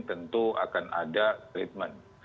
tentu akan ada treatment